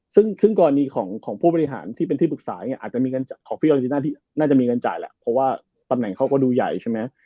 ซึ่งกรณีของผู้ปฏิหารที่เป็นที่ปรึกษาอาจจะมีเงินจ่ายเพราะว่าปำแหน่งเขาก็ดูใหญ่ใช่มั้ย